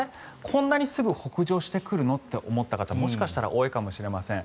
こんなにすぐに北上してくるの？って思った方もしかしたら多いかもしれません。